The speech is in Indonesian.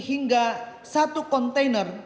hingga satu kontainer